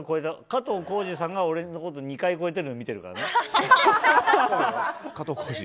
加藤浩次さんが俺のこと２回超えているのを見ているからね。